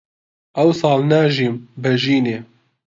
ئەوساڵ ناژیم بە ژینێ